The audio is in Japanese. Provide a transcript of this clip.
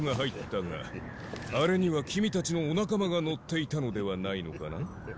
あれにはキミたちのお仲間が乗っていたのではないのかな？